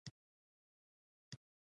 وړانګې وويل مور يې غونډل وچېچلې.